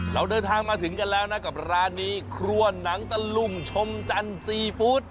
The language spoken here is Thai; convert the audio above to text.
เราเดินทางมาถึงกันแล้วนะกับร้านนี้ครัวหนังตะลุงชมจันทร์ซีฟู้ด